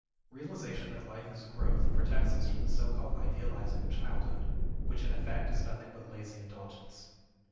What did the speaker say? Realization that life is growth protects us from that so called idealizing of childhood which in effect is nothing but lazy indulgence.